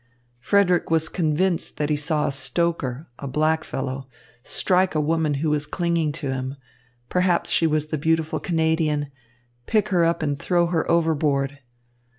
Frederick was convinced he saw a stoker, a black fellow, strike a woman who was clinging to him perhaps she was the beautiful Canadian pick her up and throw her overboard.